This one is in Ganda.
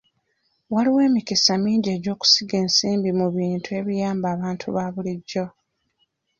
Waliwo emikisa mingi egy'okusiga ensimbi mu bintu ebiyamba abantu ba bulijjo.